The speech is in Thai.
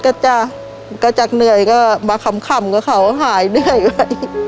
ก็จะก็จากเหนื่อยก็มาขำก็เขาขายเหนื่อยไว้